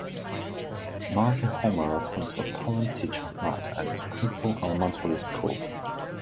Marge and Homer attend a parent-teacher night at Springfield Elementary School.